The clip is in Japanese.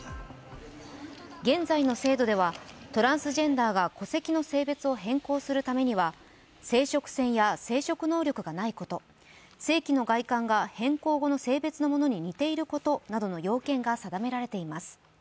現在の制度ではトランスジェンダーが戸籍の性別を変更するためには生殖腺や生殖能力がないこと、性器の外観が変更後の性別のものに似ていることなどの要件が定められています。